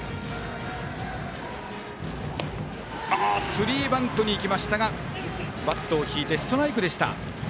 スリーバントにいきましたがバットを引いてストライクでした。